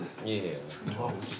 いえいえ。